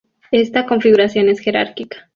Esta configuración es "jerárquica".